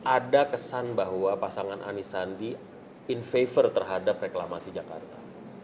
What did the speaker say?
ada kesan bahwa pasangan anies sandi in favor terhadap reklamasi jakarta